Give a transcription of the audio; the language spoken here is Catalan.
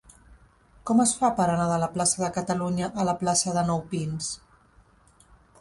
Com es fa per anar de la plaça de Catalunya a la plaça de Nou Pins?